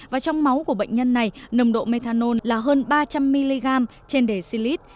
và trong máu của bệnh nhân này nồng độ methanol là hơn ba trăm linh mg trên đề xin lít